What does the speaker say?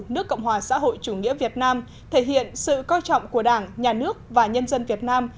nước cộng hòa xã hội chủ nghĩa việt nam thể hiện sự coi trọng của đảng nhà nước và nhân dân việt nam